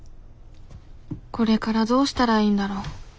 これからどうしたらいいんだろう。